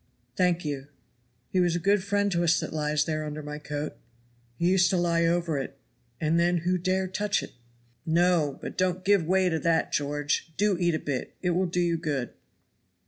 "Thank you. He was a good friend to us that lies there under my coat; he used to lie over it, and then who dare touch it?" "No! but don't give way to that, George do eat a bit, it will do you good."